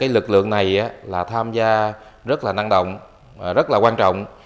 lực lượng này tham gia rất năng động rất quan trọng